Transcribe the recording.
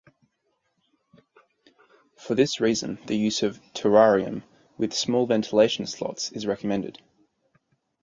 For this reason the use of terrarium with small ventilation slots is recommended.